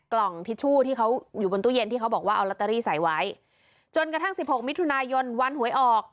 ทิชชู่ที่เขาอยู่บนตู้เย็นที่เขาบอกว่าเอาลอตเตอรี่ใส่ไว้จนกระทั่งสิบหกมิถุนายนวันหวยออก